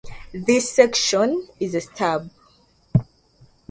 This section is a stub.